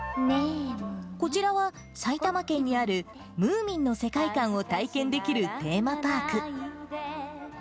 こちらは埼玉県にあるムーミンの世界観を体験できるテーマパーク。